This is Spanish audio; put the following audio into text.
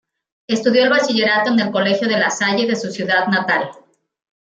Estudió el bachillerato en el Colegio de La Salle de su ciudad natal.